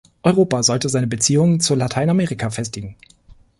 Europa sollte seine Beziehungen zu Lateinamerika festigen.